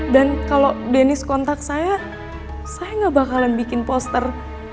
dan kalau dennis kontak saya saya gak bakalan bikin poster